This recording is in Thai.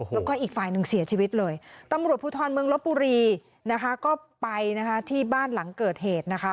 แล้วก็อีกฝ่ายหนึ่งเสียชีวิตเลยตำรวจภูทรเมืองลบบุรีนะคะก็ไปนะคะที่บ้านหลังเกิดเหตุนะคะ